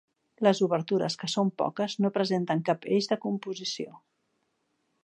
Les obertures, que són poques, no presenten cap eix de composició.